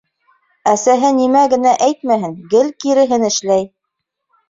Әсәһе нимә генә әйтмәһен, гел киреһен эшләй.